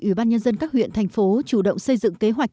ủy ban nhân dân các huyện thành phố chủ động xây dựng kế hoạch